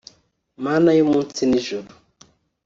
Mana yo munsi n’ijuru